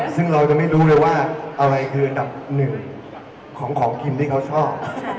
ซึ่งเราจะไม่รู้เลยว่าอะไรคืออันดับหนึ่งของของกินที่เขาชอบ